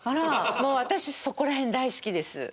もう私そこら辺大好きです。